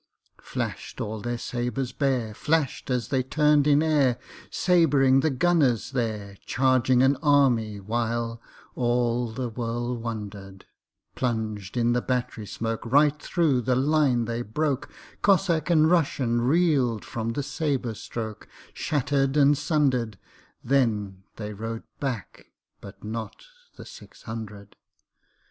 Flash'd all their sabres bare, Flash'd as they turn'd in airSabring the gunners there, Charging an army, whileAll the world wonder'd:Plunged in the battery smokeRight thro' the line they broke; Cossack and RussianReel'd from the sabre strokeShatter'd and sunder'd. Then they rode back, but notNot the six hundred.